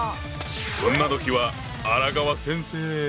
そんな時は荒川先生！